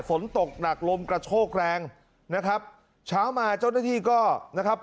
ฝนตกหนักลมกระโชกแรงนะครับเช้ามาเจ้าหน้าที่ก็นะครับ